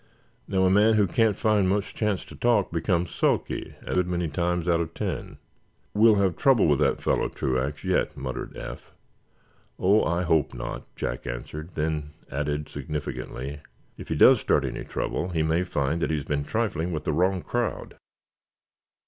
Now, a man who can't find much chance to talk becomes sulky a good many times out of ten." "We'll have trouble with that fellow, Truax, yet," muttered Eph. "Oh, I hope not," Jack answered, then added, significantly: "If he does start any trouble he may find that he has been trifling with the wrong crowd!"